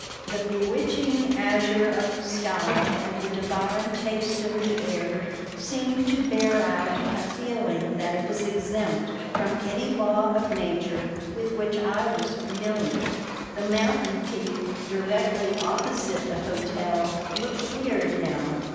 The bewitching azure of the sky and the divine taste of the air seemed to bear out a feeling that it was exempt from any law of nature with which I was familiar. The mountain peak directly opposite the hotel looked weird now.